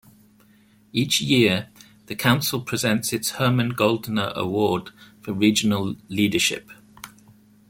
Each year the council presents its Herman Goldner Award for Regional Leadership.